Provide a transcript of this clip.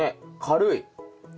軽い。